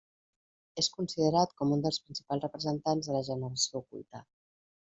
És considerat com un dels principals representants de la generació oculta.